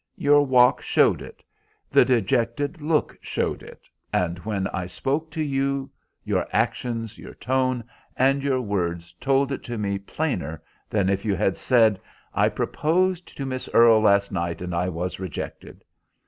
Your walk showed it. The dejected look showed it, and when I spoke to you, your actions, your tone, and your words told it to me plainer than if you had said, 'I proposed to Miss Earle last night and I was rejected.